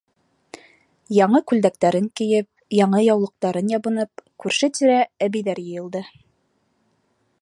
Яңы күлдәктәрен кейеп, яңы яулыҡтарын ябынып, күрше-тирә әбейҙәр йыйылды.